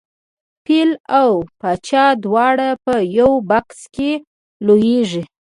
فیل او پاچا دواړه په یوه بکس کې لویږي.